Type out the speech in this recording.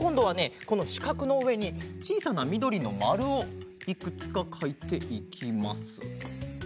このしかくのうえにちいさなみどりのまるをいくつかかいていきます。